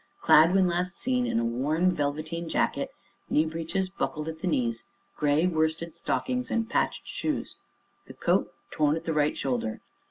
Clad, when last seen, in a worn velveteen jacket, kneebreeches buckled at the knees, gray worsted stockings, and patched shoes. The coat TORN at the RIGHT shoulder.